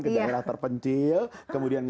ke daerah terpencil kemudian